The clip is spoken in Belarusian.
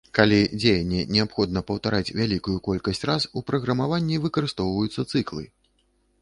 Калі дзеянне неабходна паўтараць вялікую колькасць раз, у праграмаванні выкарыстоўваюцца цыклы.